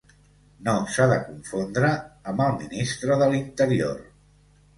No s'ha de confondre amb el Ministre de l'Interior.